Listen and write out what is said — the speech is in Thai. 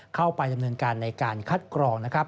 เข้าไปดำเนินการในการคัดกรองนะครับ